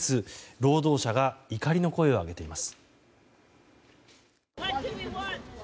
労働者が怒りの声を上げています。